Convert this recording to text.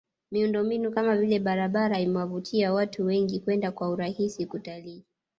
Miundombinu kama vile barabara imewavutia watu wengi kwenda kwa urahisi kutalii